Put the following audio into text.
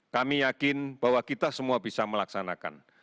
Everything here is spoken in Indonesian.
kami yakin bahwa kita semua bisa melaksanakan